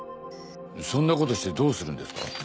そんなことしてどうするんですか？